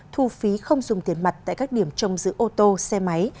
thu phí không dùng tiền mặt tại các điểm trông giữ ô tô xe máy